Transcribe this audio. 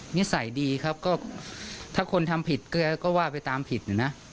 นิสัยดีครับก็ถ้าคนทำผิดก็ว่าไปตามผิดนะนะ